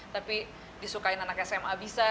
tapi disukain anak sma bisa